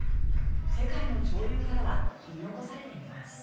世界の潮流からは取り残されています